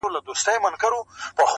خلک مختلف باورونه لري.